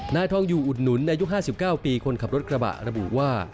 นายทองอยู่อุดหนุนอายุ๕๙ปีคนขับรถกระบะระบุว่า